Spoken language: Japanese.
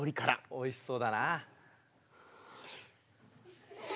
おいしそうだな。